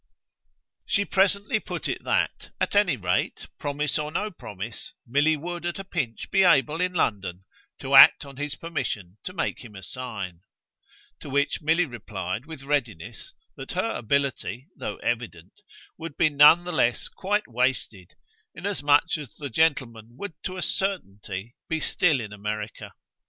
She presently put it that, at any rate, promise or no promise, Milly would at a pinch be able, in London, to act on his permission to make him a sign; to which Milly replied with readiness that her ability, though evident, would be none the less quite wasted, inasmuch as the gentleman would to a certainty be still in America.